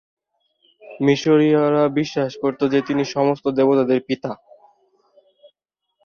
মিশরীয়রা বিশ্বাস করতো যে তিনি সমস্ত দেবতাদের পিতা।